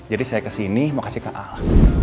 jadi saya kesini mau kasih ke al